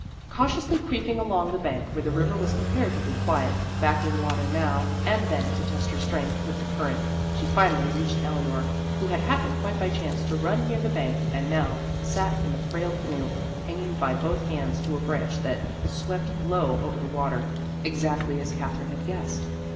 Cautiously creeping along the bank where the river was comparatively quiet, backing water now and then to test her strength with the current, she finally reached Eleanor, who had happened quite by chance to run near the bank and now sat in the frail canoe hanging by both hands to a branch that swept low over the water, exactly as Katherine had guessed.